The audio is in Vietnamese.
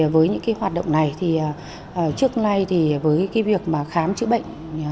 với những hoạt động này trước nay với việc khám chữa bệnh